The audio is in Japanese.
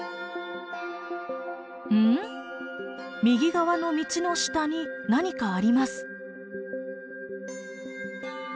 右側の道の下に何かあります。